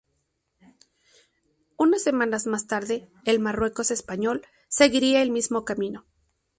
Unas semanas más tarde el Marruecos español seguiría el mismo camino.